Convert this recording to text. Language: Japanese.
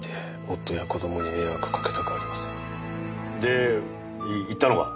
「夫や子供に迷惑かけたくありません」で行ったのか。